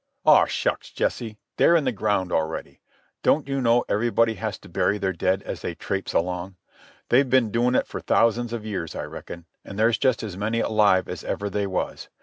"Aw, shucks, Jesse—they're in the ground already. Don't you know everybody has to bury their dead as they traipse along? They've ben doin' it for thousands of years I reckon, and there's just as many alive as ever they was.